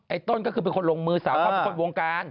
ต้นก็คือเป็นคนลงมือสาวเขาเป็นคนวงการ